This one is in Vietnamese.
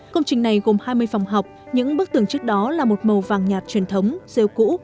công trình này gồm hai mươi phòng học những bức tường trước đó là một màu vàng nhạt truyền thống rêu cũ